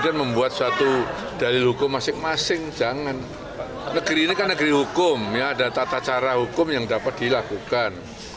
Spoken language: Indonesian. jangan negeri ini kan negeri hukum ya ada tata cara hukum yang dapat dilakukan